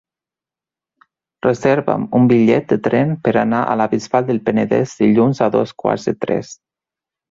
Reserva'm un bitllet de tren per anar a la Bisbal del Penedès dilluns a dos quarts de tres.